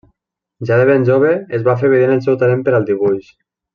Ja de ben jove es va fer evident el seu talent per al dibuix.